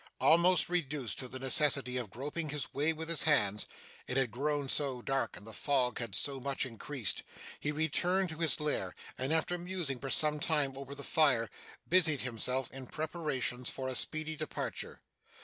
Almost reduced to the necessity of groping his way with his hands (it had grown so dark and the fog had so much increased), he returned to his lair; and, after musing for some time over the fire, busied himself in preparations for a speedy departure.